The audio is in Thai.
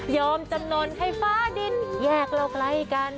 จำนวนให้ฟ้าดินแยกเราไกลกัน